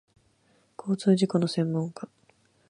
交通事故の専門家